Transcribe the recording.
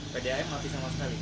pdim mati sama sekali